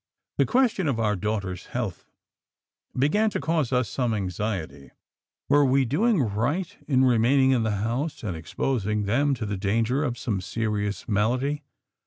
The question of our daughters' health began to cause us some anxiety; were we doing right in remaining in the house and exposing them to the danger of some serious malady?